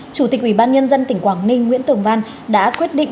chủ tịch ủy ban nhân dân tỉnh quảng ninh nguyễn tường văn đã quyết định